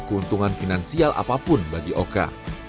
keuntungan finansial apapun bagi oka